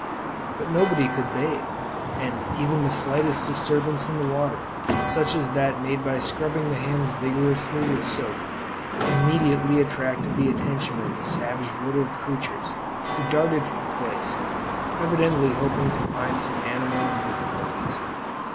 But nobody could bathe, and even the slightest disturbance in the water, such as that made by scrubbing the hands vigorously with soap, immediately attracted the attention of the savage little creatures, who darted to the place, evidently hoping to find some animal in difficulties.